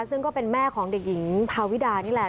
ซึ่งก็เป็นแม่ของเด็กหญิงพาวิดานี่แหละ